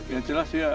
ya jelas ya